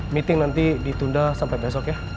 meeting nanti ditunda sampai besok ya